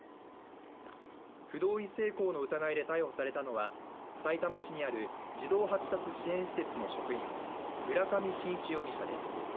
不同意性交の疑いで逮捕されたのはさいたま市にある児童発達支援施設の職員村上信一容疑者です。